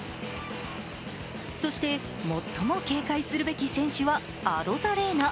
そして最も警戒すべき選手はアロザレーナ。